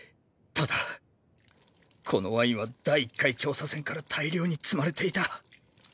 ただこのワインは第一回調査船から大量に積まれていた。